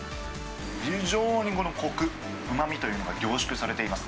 非常にこのこく、うまみというのが凝縮されています。